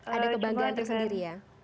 ada kebanggaan tersendiri ya